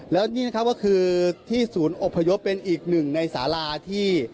แล้วนี่นะครับก็คือที่ศูนย์อบพยพเป็นอีกหนึ่งในสาราที่